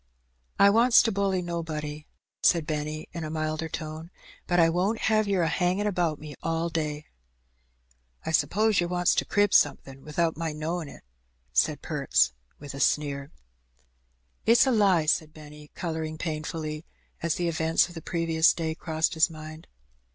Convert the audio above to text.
"I wants to bully nobody," said Benny, in a milder tone; "but I won't have yer a hangin' about me all day." "I 'spose yer wants to crib somethin' without my knowin' it," said Perks, with a sneer. " It's a lie," said Benny, colouring painfully, as the event of the previous day crossed his mind.